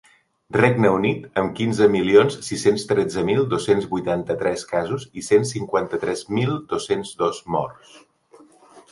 Regne Unit, amb quinze milions sis-cents tretze mil dos-cents vuitanta-tres casos i cent cinquanta-tres mil dos-cents dos morts.